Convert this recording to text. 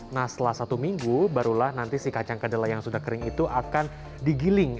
nah setelah satu minggu barulah nanti si kacang kedelai yang sudah kering itu akan digiling